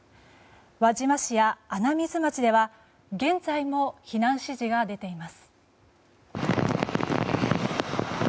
輪島市や穴水町では現在も避難指示が出ています。